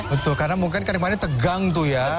betul karena mungkin kemarin tegang tuh ya